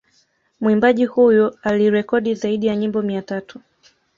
Mwimbaji huyu alirekodi zaidi ya nyimbo mia tatu